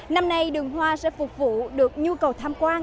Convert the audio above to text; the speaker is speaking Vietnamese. năm nay đường hoa sẽ phục vụ được nhu cầu tham quan